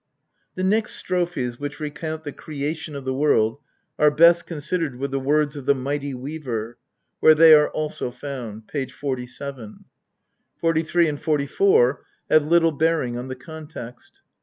The next strophes which recount the creation of the world are best considered with the Words of the Mighty Weaver, where they are also found (p. 47). 43 and 44 have little bearing on the context.